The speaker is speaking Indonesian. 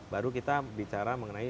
baru kita bicara mengenai